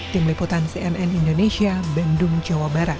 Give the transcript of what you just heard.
tim liputan cnn indonesia bandung jawa barat